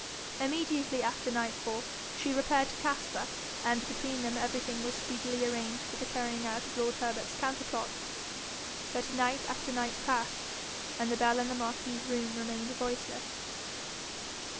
Immediately after nightfall she repaired to Caspar, and between them everything was speedily arranged for the carrying out of lord Herbert's counter plot. But night after night passed, and the bell in the marquis's room remained voiceless.